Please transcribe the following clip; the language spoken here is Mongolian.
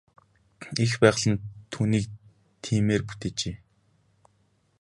Эх байгаль нь түүнийг тиймээр бүтээжээ.